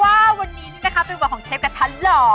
ว่าวันนี้นี่นะคะเป็นวันของเชฟกระทัดหล่อ